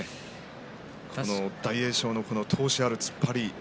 大栄翔の闘志ある突っ張り。